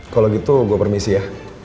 kalau gitu gue permisi ya